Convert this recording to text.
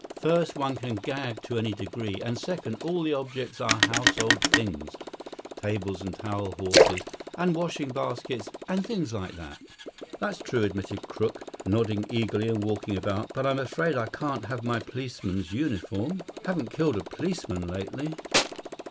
First, one can gag to any degree; and, second, all the objects are household things tables and towel horses and washing baskets, and things like that." "That's true," admitted Crook, nodding eagerly and walking about. "But I'm afraid I can't have my policeman's uniform? Haven't killed a policeman lately."